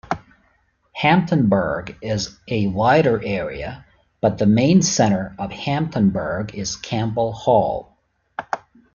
Hamptonburgh is a wider area, but the main center of Hamptonburgh is Campbell Hall.